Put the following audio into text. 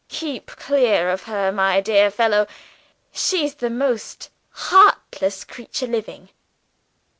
'Keep clear of her, my dear fellow; she's the most heartless creature living.